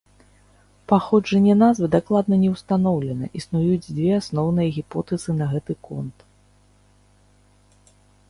Паходжанне назвы дакладна не ўстаноўлена, існуюць дзве асноўныя гіпотэзы на гэты конт.